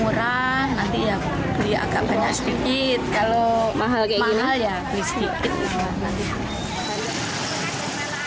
kurang nanti ya beli agak banyak sedikit kalau mahal kayak gini beli sedikit juga